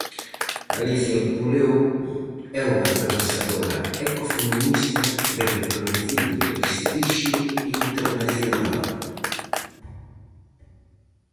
Alicia Puleo é unha pensadora ecofeminista de recoñecido prestixio internacional.